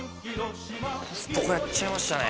コストコやっちゃいましたね。